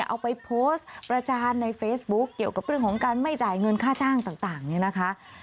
เอาไปโพสต์ประจานในเฟซบุ๊คเกี่ยวกับเรื่องของการไม่จ่ายเงินค่าจ้างต่างเนี่ยนะคะ